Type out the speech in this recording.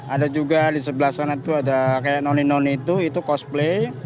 ada juga di sebelah sana itu ada kayak noni non itu itu cosplay